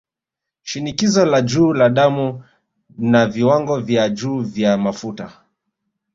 Shinikizo la juu la damu na Viwango vya juu vya Mafuta